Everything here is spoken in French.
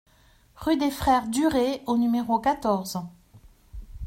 Rue des Frères Duret au numéro quatorze